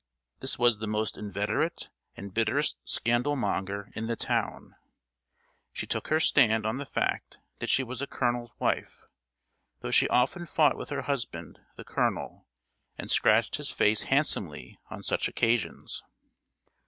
This was the most inveterate and bitterest scandal monger in the town. She took her stand on the fact that she was a Colonel's wife, though she often fought with her husband, the Colonel, and scratched his face handsomely on such occasions.